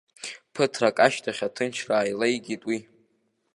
Ԥыҭрак ашьҭахь аҭынчра ааилеигеит уи.